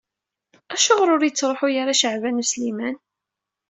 Acuɣer ur yettṛuḥu ara Caɛban U Sliman?